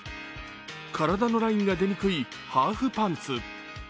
体のラインが出にくいハーフパンツ。